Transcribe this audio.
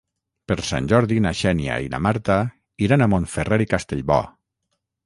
Per Sant Jordi na Xènia i na Marta iran a Montferrer i Castellbò.